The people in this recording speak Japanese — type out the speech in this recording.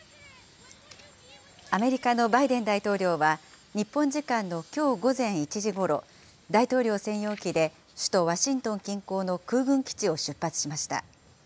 アメリカのバイデン大統領は、日本時間のきょう午前１時ごろ、大統領専用機で首都ワシントン近郊の空軍基地を出発しました。